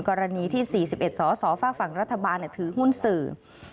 กรณีที่๔๑สอศฝรัฐบาลถือหุ้นสื่อ